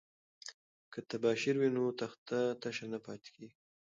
که تباشیر وي نو تخته تشه نه پاتیږي.